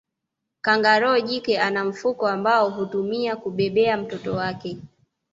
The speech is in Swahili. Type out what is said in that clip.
Kangaroo jike ana mfuko ambao hutumia kubebea mtoto wake